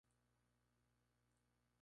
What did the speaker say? Se inició como banderillero.